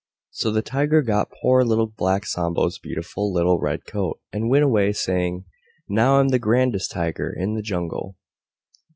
So the Tiger got poor Little Black Sambo's beautiful little Red Coat, and went away saying, "Now I'm the grandest Tiger in the Jungle."